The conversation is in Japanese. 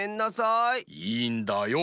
いいんだよ。